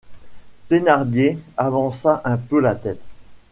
Thénardier avança un peu la tête.